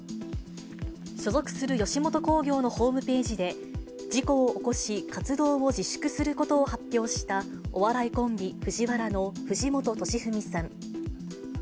所属する吉本興業のホームページで、事故を起こし、活動を自粛することを発表した、お笑いコンビ、ＦＵＪＩＷＡＲＡの藤本敏史さん。